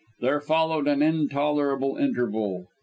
There followed an intolerable interval.